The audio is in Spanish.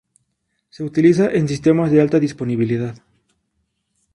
Se utiliza en sistemas de alta disponibilidad.